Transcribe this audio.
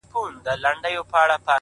پرمختګ د ثبات او بدلون توازن دی’